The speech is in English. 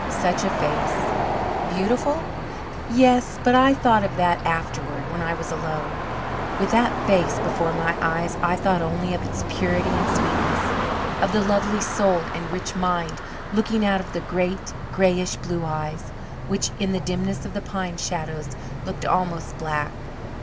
Such a face! Beautiful? Yes, but I thought of that afterward, when I was alone. With that face before my eyes I thought only of its purity and sweetness, of the lovely soul and rich mind looking out of the great, greyish blue eyes which, in the dimness of the pine shadows, looked almost black.